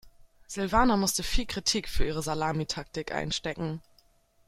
Silvana musste viel Kritik für ihre Salamitaktik einstecken.